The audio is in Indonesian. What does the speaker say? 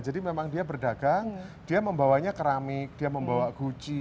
jadi memang dia berdagang dia membawanya keramik dia membawa gucci